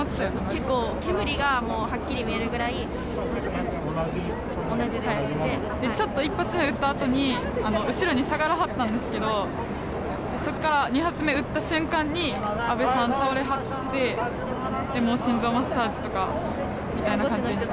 結構、煙がはっきり見えるぐらいちょっと１発目撃った後に後ろに下がらはったんですけどそこから２発目撃った瞬間に安倍さん倒れはって心臓マッサージとかみたいな感じ。